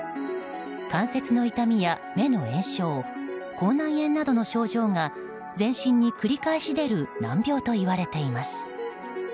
関節の痛みや目の炎症口内炎などの症状が全身に繰り返し出る難病といわれています。